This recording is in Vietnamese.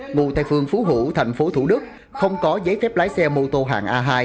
ngụ tây phương phú hữu tp thủ đức không có giấy phép lái xe mô tô hàng a hai